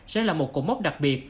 sẽ là một cổ mốc đặc biệt